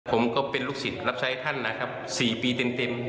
ผมก็เป็นลูกศิษย์รับใช้ท่านนะครับ๔ปีเต็ม